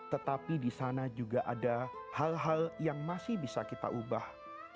tetapi di sana juga ada hal hal yang masih bisa kita ubah